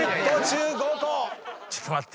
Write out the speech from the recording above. ちょっと待って。